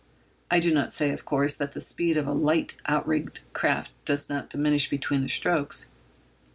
I do not say, of course, that the speed of a light outrigged craft does not diminish between the strokes.